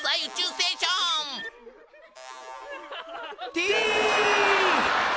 「Ｔ！